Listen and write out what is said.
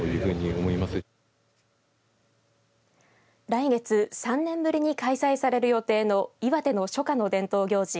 来月３年ぶりに開催される予定の岩手の初夏の伝統行事